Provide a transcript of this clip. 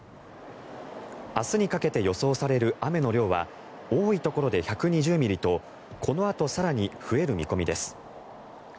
明日にかけて予想される雨の量は多いところで１２０ミリとこのあと更に増える見込みです。